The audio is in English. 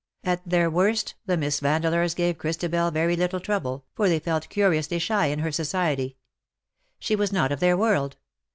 At their worst the Miss Vandeleurs gave Christabel very little trouble, for they felt curiously shy in her society. She was not of their world.